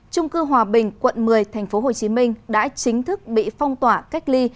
trung cư hòa bình quận một mươi tp hcm đã chính thức bị phong tỏa cách ly